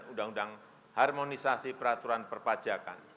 undang undang harmonisasi peraturan perpajakan